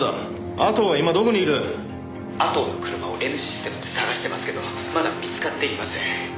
「阿藤の車をＮシステムで捜してますけどまだ見つかっていません」